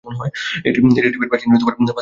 এই ঢিবির প্রাচীন ইট ও পাথর এখনও আছে।